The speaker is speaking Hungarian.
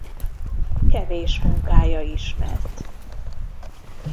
Kevés munkája ismert.